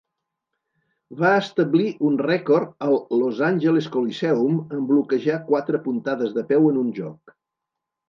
Va establir un rècord al Los Angeles Coliseum en bloquejar quatre puntades de peu en un joc.